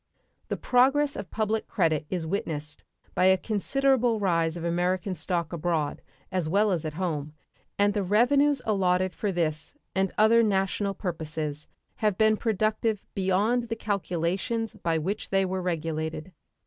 The progress of public credit is witnessed by a considerable rise of American stock abroad as well as at home, and the revenues allotted for this and other national purposes have been productive beyond the calculations by which they were regulated.